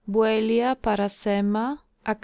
Buellia parasema, (Ach.)